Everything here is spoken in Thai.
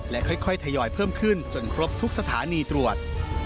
ค่อยทยอยเพิ่มขึ้นจนครบทุกสถานีตรวจ